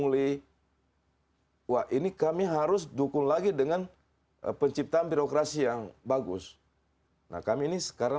lebih dari satu triliun